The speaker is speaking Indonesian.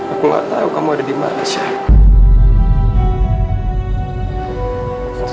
aku gak tau kamu ada dimana syah